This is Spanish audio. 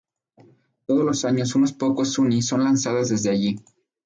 Todos los años unos pocos Zuni son lanzados desde allí.